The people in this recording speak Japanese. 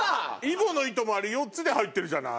揖保乃糸もあれ４つで入ってるじゃない？